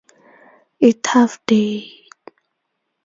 A tough day.